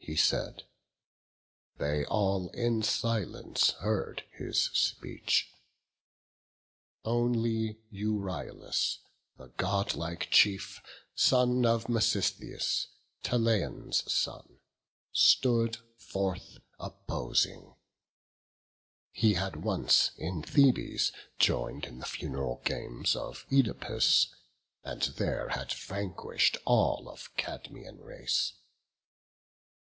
He said; they all in silence heard his speech: Only Euryalus, a godlike chief, Son of Mecistheus, Talaion's son, Stood forth opposing; he had once in Thebes Join'd in the fun'ral games of Œdipus, And there had vanquish'd all of Cadmian race.